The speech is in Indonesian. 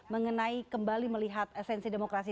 mengenai kembali melihat esensi demokrasi